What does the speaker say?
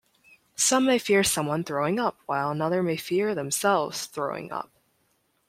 Some may fear someone throwing up while another may fear themselves throwing up.